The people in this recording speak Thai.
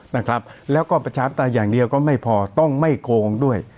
นะครับแล้วก็ประชาธิปไตยอย่างเดียวก็ไม่พอต้องไม่โกงด้วย